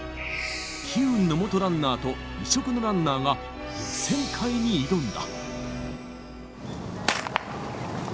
悲運の元ランナーと異色のランナーが、予選会に挑んだ。